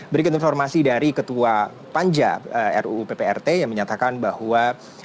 berikut informasi dari ketua panja ruu pprt yang menyatakan bahwa